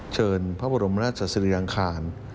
เชิญพระบรมราชสิริอังคาร